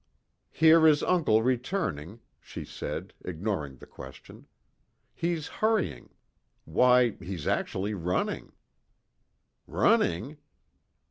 "Here is uncle returning," she said, ignoring the question. "He's hurrying. Why he's actually running!" "Running?"